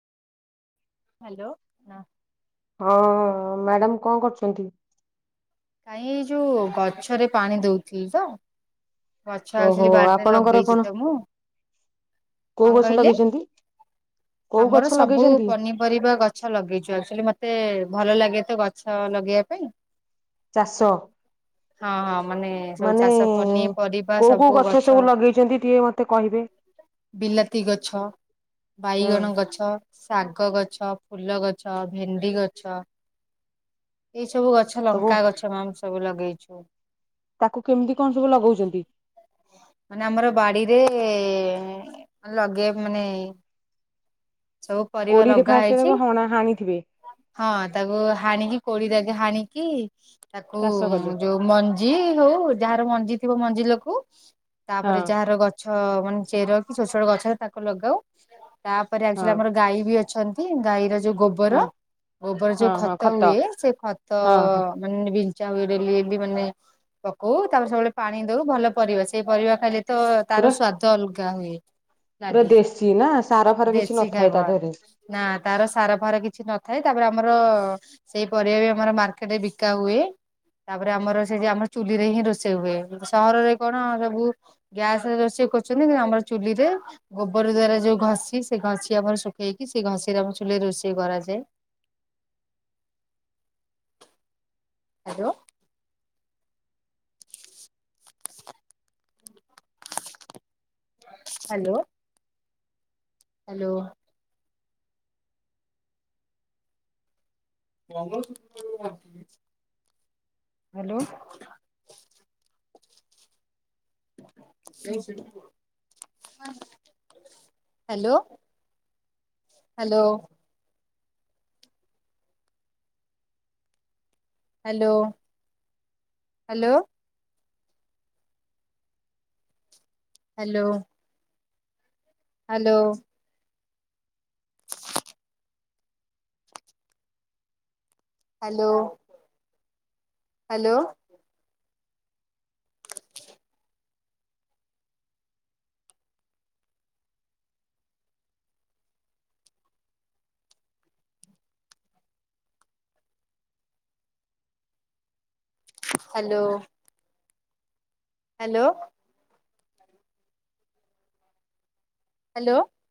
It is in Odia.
ହ୍ୟାଲୋ ହଁ। ହଁ ମ୍ୟାଡାମ୍ କଣ କରୁଛନ୍ତି। କାଇଁ ଏଇ ଯୋଉ ଗଛରେ ପାଣି ଦଉଥିଲି ତ, ଗଛ ଓହୋ ଆକ୍ଚୁଲି ବାରିରେ ଆପଣଙ୍କର ଲଗେଇଛି କଣ ତ ମୁଁ। କୋଉ କଣ ଗଛ କହିଲେ ଲଗେଇଛନ୍ତି? କୋଉ ଗଛ ଆମର ସବୁ ଲଗେଇଛନ୍ତି? ପନି, ପରିବା ଗଛ ଲଗେଇଛୁ ଆକ୍ଚୁଲି ମତେ ଭଲ ଲାଗେ ତ ଗଛ ଲଗେଇବା ପାଇଁ। ଚାଷ ହଁ ହଁ ମାନେ ସବୁ ମାନେ ଚାଷ ପନି, ପରିବା କୋଉ କୋଉ ସବୁ ଗଛ ସବୁ ଲଗେଇଛନ୍ତି ଟିକେ ମତେ କହିବେ ବିଲାତି ଗଛ, ହଁ ବାଇଗଣ ଗଛ, ଶାଗ ଗଛ, ଫୁଲ ଗଛ, ଭେଣ୍ଡି ଗଛ। ଏଇ ସବୁ ଗଛ ସବୁ ଲଙ୍କା ଗଛ ମ୍ୟାମ ସବୁ ଲଗେଇଛୁ। ତାକୁ କେମିତି କଣ ସବୁ ଲଗଉଛନ୍ତି। ମାନେ ଆମର ବାଡିରେ ଲଗେଇବା ମାନେ, ସବୁ ପରିବା କୋଡିରେ ଲଗା ଫାଷ୍ଟ ହେଇଛି। ତାକୁ ହଣା ହାଣିଥିବେ ହଁ ତାକୁ ହାଣିକି କୋଡି ଜାଙ୍କେ ହାଣିକି ତାକୁ ଚାଷ କଲେ ଯୋଉ, ମଞ୍ଜି ହଉ ଯାହାର ମଞ୍ଜି ଥିବ ମଞ୍ଜି ରଖୁ ହଁ ତାପରେ ଯାହାର ଗଛ। ଛ ମାନେ ଚେର କୁ ଛୋଟ ଛୋଟ ଗଛରେ ତାକୁ ଲଗାଉ। ପରେ ହଁ ଆକ୍ଚୁଲି ଆମର ଗାଈ ବି ଅଛନ୍ତି ଗାଈର ଯୋଉ ଗୋବ, ହଁ ଗୋବର ଗୋବର ହଁ ଯୋଉ ହଁ ଖତ ହୁଏ ସେ ଖତ। ହଁ ହଁ ମାନେ ବିିଚ୍ଛା ହୁଏ ଡେଲି ଏ ବି ମାନେ। ପକଉ ତାପରେ ସବୁବେଳେ ପାଣି ଦଉ ଭଲ ପରିବା ସେଇ ପରିବା ଖାଇଲେ। ତ ପୁରା ତାର ସ୍ଵାଦ ଅଲଗା ହୁଏ। ପୁରା ଲାଗେ ଦେଶୀ ନା ସାର ଫାର କିଛି ଦେଶୀ ନଥାଏ ତା ଖାଇବା ଦେହରେ। ନା ତାର ସାର ଫାର କିଛି ନଥାଏ ତାପରେ ଆମର ସେଇ ପରିବା ବି ଆମର ମାର୍କେଟରେ ବିକା ହୁଏ। ତାପରେ ଆମର ସେ ଯେ ଆମର ଚୁଲି ରେ ହିଁ ରୋଷେଇ ହୁଏ ସହରରେ କଣ ସବୁ ଗ୍ୟାସ ରେ ରୋଷେଇ କରୁଛନ୍ତି କିନ୍ତୁ ଆମର ଚୁଲିରେ ଗୋବର ଦ୍ଵାରା ଯୋଉ ଘଷି ସେ ଘଷି ଆମର ଶୁଖେଇକି ସେ ଘଷିରେ ଆମ ଚୁଲରେ ରୋଷେଇ କରାଯାଏ। Hello. Hello. Hello. [unintelligible] Hello. [unintelligible] Hello. Hello. Hello hello. Hello. Hello. Hello hello. Hello. Hello. Hello.